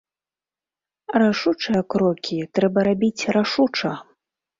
Рашучыя крокі трэба рабіць рашуча!